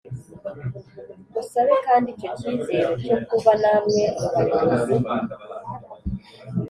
Musabe kandi icyo kizere Cyo kuba namwe mu bayobozi